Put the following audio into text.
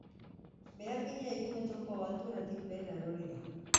Behargina hiru metroko altueratik behera erori da.